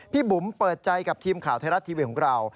บุ๋มเปิดใจกับทีมข่าวไทยรัฐทีวีของเรา